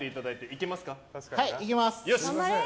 いけます。